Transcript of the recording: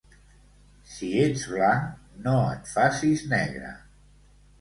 Si ets blanc, no et facis negre.